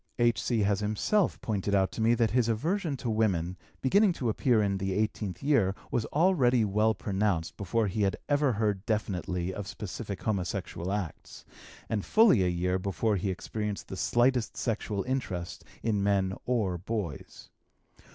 H.C. has himself pointed out to me that his aversion to women, beginning to appear in the eighteenth year, was already well pronounced before he had ever heard definitely of specific homosexual acts, and fully a year before he experienced the slightest sexual interest in men or boys.